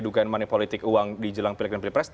dugaan politik uang di jelang pilih dan pilih pres